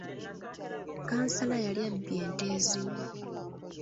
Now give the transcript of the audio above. Kansala yali abbye ente ezimu.